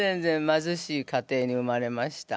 まずしい家庭に生まれました。